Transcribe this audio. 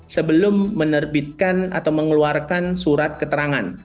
sebelum menerbitkan atau mengeluarkan surat keterangan